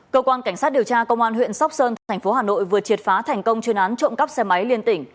cơ quan cảnh sát điều tra công an huyện sóc sơn thành phố hà nội vừa triệt phá thành công chuyên án trộm cắp xe máy liên tỉnh